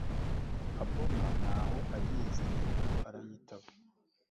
aboma ntaho ayizi ariko arayitaba